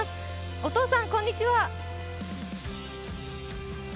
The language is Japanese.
お父さん、こんにちは。